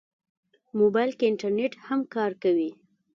موبایل کې انټرنیټ هم کار کوي.